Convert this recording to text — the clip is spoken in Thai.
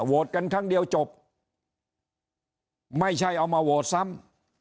กันครั้งเดียวจบไม่ใช่เอามาโหวตซ้ำ